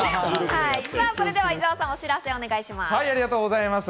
では伊沢さん、お知らせお願いします。